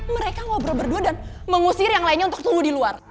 mereka ngobrol berdua dan mengusir yang lainnya untuk tumbuh di luar